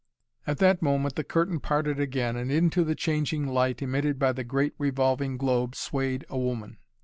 At that moment the curtain parted again and into the changing light, emitted by the great revolving globe, swayed a woman.